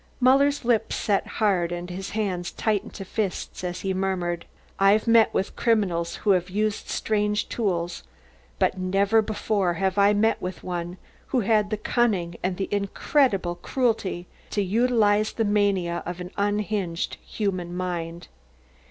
Muller's lips set hard and his hands tightened to fists as he murmured: "I've met with criminals who used strange tools, but never before have I met with one who had the cunning and the incredible cruelty to utilise the mania of an unhinged human mind.